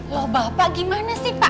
loh bapak gimana sih pak